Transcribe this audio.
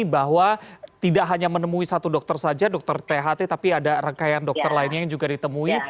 bahwa tidak hanya menemui satu dokter saja dokter tht tapi ada rangkaian dokter lainnya yang juga ditemui